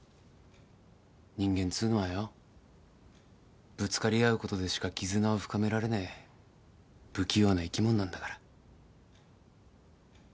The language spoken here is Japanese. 人間っつうのはよぶつかり合うことでしか絆を深められねえ不器用な生きもんなんだから。